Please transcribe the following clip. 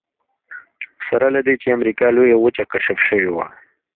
سره له دې چې امریکا لویه وچه کشف شوې وه.